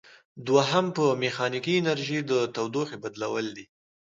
دوهم په میخانیکي انرژي د تودوخې بدلول دي.